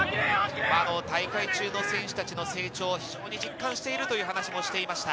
大会中の選手たちの成長を非常に実感しているという話をしていました。